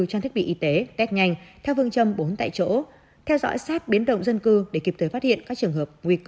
cho thiết bị y tế test nhanh theo phương châm bốn tại chỗ theo dõi sát biến động dân cư để kịp thời phát hiện các trường hợp nguy cơ lây nhiễm dịch